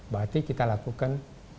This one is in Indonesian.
berarti kita lakukan